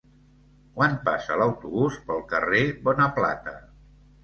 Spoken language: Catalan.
Quan passa l'autobús pel carrer Bonaplata?